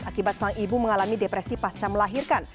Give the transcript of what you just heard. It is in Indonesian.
akibat sang ibu mengalami depresi pasca melahirkan